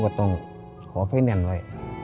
ว่าอุกของผู้เป็นพ่อและแม่นะครับ